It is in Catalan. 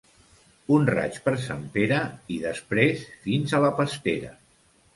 Un raig per Sant Pere i després fins a la pastera.